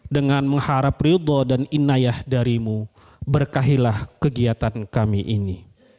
dengan mengharap ridho dan inayah darimu berkahilah kegiatan kami ini